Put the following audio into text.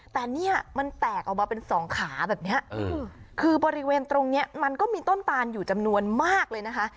แต่เนี่ยมันแตกออกมาเป็นสองขาแบบนี้คือบริเวณตรงนี้มันก็มีต้นตานอยู่จำนวนมากเลยนะคะ